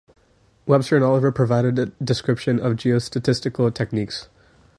Webster and Oliver provided a description of geostatistical techniques.